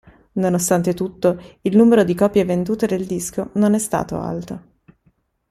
Nonostante tutto, il numero di copie vendute del disco non è stato alto.